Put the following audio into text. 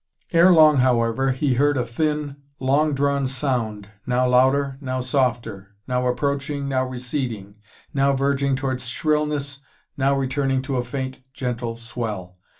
Ere long however, he heard a thin, long drawn sound, now louder, now softer; now approaching, now receding, now verging toward shrillness, now returning to a faint, gentle swell.